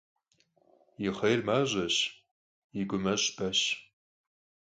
Yi xhêr maş'eş, yi gumeş' beş.